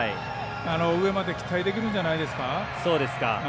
上まで期待できるんじゃないでしょうか。